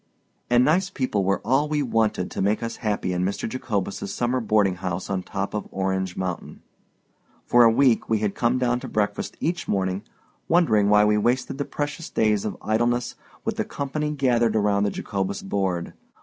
And nice people were all we wanted to make us happy in Mr. Jacobus's summer boarding house on top of Orange Mountain. For a week we had come down to breakfast each morning, wondering why we wasted the precious days of idleness with the company gathered around the Jacobus board.